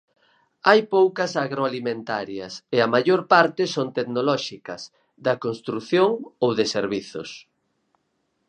Hai poucas agroalimentarias e a maior parte son tecnolóxicas, da construción ou de servizos.